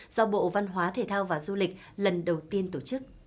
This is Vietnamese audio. do bộ văn hóa thể thao và du lịch lần đầu tiên tổ chức